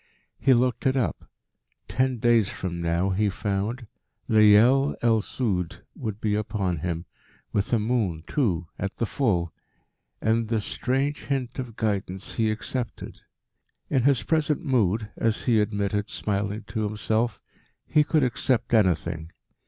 He looked it up. Ten days from now, he found, Leyel el Sud would be upon him, with a moon, too, at the full. And this strange hint of guidance he accepted. In his present mood, as he admitted, smiling to himself, he could accept anything.